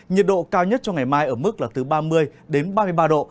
nhiệt độ cao nhất cho ngày mai ở mức là từ ba mươi đến ba mươi ba độ